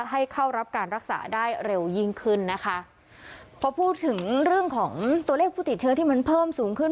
ให้เข้ารับการรักษาได้เร็วยิ่งขึ้นนะคะพอพูดถึงเรื่องของตัวเลขผู้ติดเชื้อที่มันเพิ่มสูงขึ้น